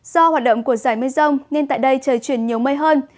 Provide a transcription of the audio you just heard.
do hoạt động của giải mây rông nên tại đây trời chuyển nhiều mây hơn